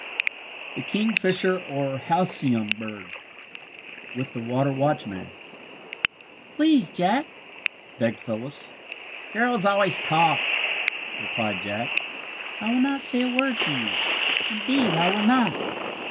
THE KINGFISHER OR HALCYON BIRD WITH THE WATER WATCHMAN "Please, Jack," begged Phyllis. "Girls always talk," replied Jack. "I will not say a word to you indeed I will not."